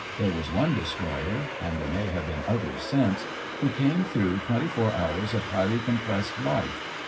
There was one destroyer (and there may have been others since) who came through twenty four hours of highly compressed life.